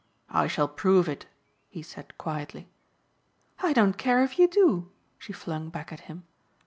"I shall prove it," he said quietly. "I don't care if you do," she flung back at him.